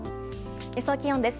予想気温です。